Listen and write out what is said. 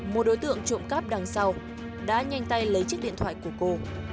một đối tượng trộm cắp đằng sau đã nhanh tay lấy chiếc điện thoại của cô